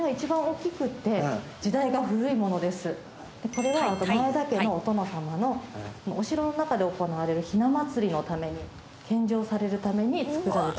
これは前田家のお殿様のお城の中で行われるひな祭りのために献上されるために作られた。